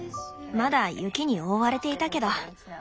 まだ雪に覆われていたけど。